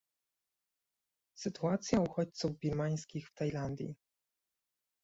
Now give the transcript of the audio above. Sytuacja uchodźców birmańskich w Tajlandii